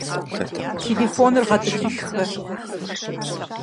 Телефоныр гъэтӏылъи шхэ!